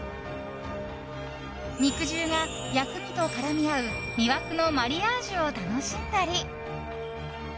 肉汁が薬味と絡み合う魅惑のマリアージュを楽しんだり。